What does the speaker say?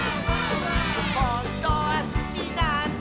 「ほんとはすきなんだ」